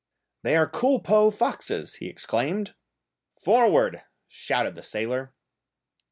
"They are culpeux foxes!" he exclaimed. "Forward!" shouted the sailor.